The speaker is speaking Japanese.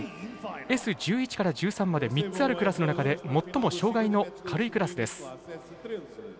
Ｓ１１から１３まで３つあるクラスの中で最も障がいの軽いクラスです。